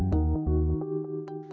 di surau ini